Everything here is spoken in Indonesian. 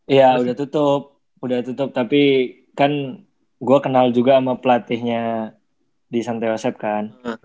iya udah tutup udah tutup tapi kan gue kenal juga sama pelatihnya di santeosep kan